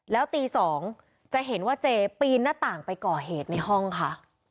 แล้วตี๒จะเห็นว่าเจปีนหน้าต่างไปก่อเหตุในห้องค่ะ